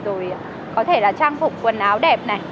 rồi có thể là trang phục quần áo đẹp này